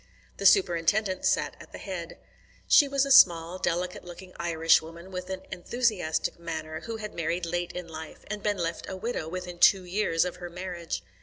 The Superintendent sat at the head. She was a small, delicate looking Irish woman with an enthusiastic manner, who had married late in life, and been left a widow within two years of her marriage.